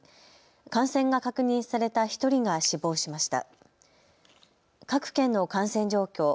感染が確認された１人が死亡しました。